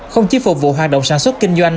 không chỉ phục vụ hoạt động sản xuất kinh doanh